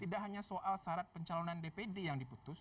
tidak hanya soal syarat pencalonan dpd yang diputus